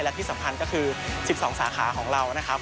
และที่สำคัญก็คือ๑๒สาขาของเรานะครับ